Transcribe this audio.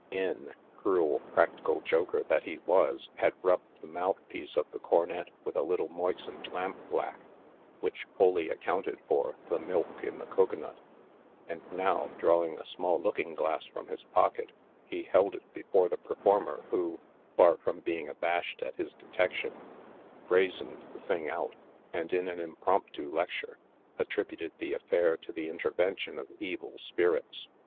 "N," cruel, practical joker that he was, had rubbed the mouthpiece of the cornet with a little moistened lampblack, which fully accounted for " the milk in the cocoa nut ;" and now, drawing a small looking glass from his pocket, he held it before the performer who, far from being abashed at his detection, brazoned the thing out, and, in an impromptu lecture, attributed the affair to the intervention of evil spirits.